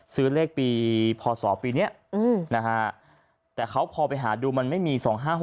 ซื้อเลขปีพศปีนี้นะฮะแต่เขาพอไปหาดูมันไม่มี๒๕๖๖